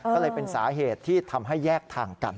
ก็เลยเป็นสาเหตุที่ทำให้แยกทางกัน